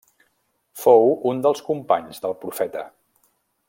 Fou un dels companys del Profeta.